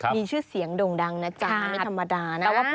มีชื่อเสียงโด่งดังนะจ๊ะไม่ธรรมดานะ